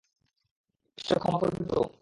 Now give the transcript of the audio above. ঈশ্বর ক্ষমা করবে তো?